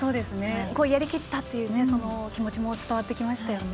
やりきったという気持ちも伝わってきましたよね。